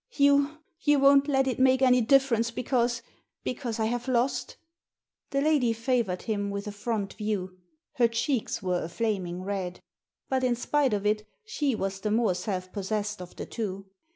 "You — you won't let it make any difference be cause — because I have lost" The lady favoured him with a front view. Her cheeks were a flaming red ; but, in spite of it, she was the more self possessed of the two.